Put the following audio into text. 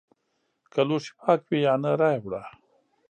که لوښي پاک وي یا نه رایې وړه!